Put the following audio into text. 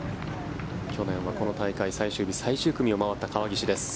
去年はこの大会最終日、最終組を回った川岸です。